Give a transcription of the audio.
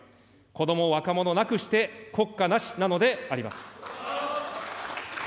子ども・若者なくして国家なしなのであります。